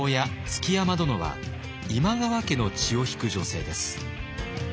築山殿は今川家の血を引く女性です。